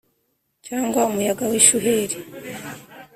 Cyangwa umuyaga wishuheri.